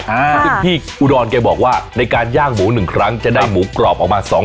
ซึ่งพี่อุดรแกบอกว่าในการย่างหมู๑ครั้งจะได้หมูกรอบออกมา